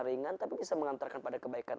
ringan tapi bisa mengantarkan pada kebaikan